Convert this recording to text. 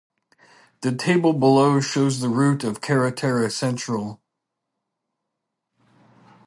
The table below shows the route of the Carretera Central.